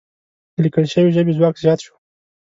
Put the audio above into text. د لیکل شوې ژبې ځواک زیات شو.